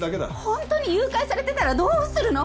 本当に誘拐されてたらどうするの？